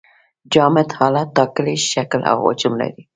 جامد حالت ټاکلی شکل او حجم لري.